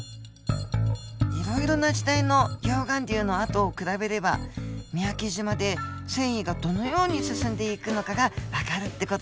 いろいろな時代の溶岩流の跡を比べれば三宅島で遷移がどのように進んでいくのかがわかるって事ですね。